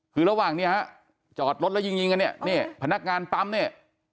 คือระหว่างนี้ฮะจอดรถแล้วยิงยิงกันเนี่ยนี่พนักงานปั๊มเนี่ย